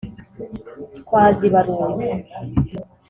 twazibaruye